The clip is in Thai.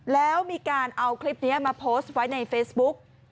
แล้วมีการเอาคลิปนี้มาโพสต์ไว้ในเฟซบุ๊ก